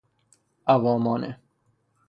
عوامانه